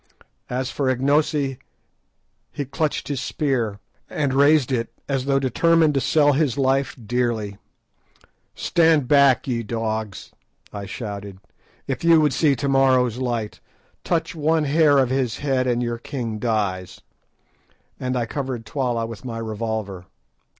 As for Ignosi, he clutched his spear, and raised it as though determined to sell his life dearly. "Stand back, ye dogs!" I shouted, "if ye would see to morrow's light. Touch one hair of his head and your king dies," and I covered Twala with my revolver.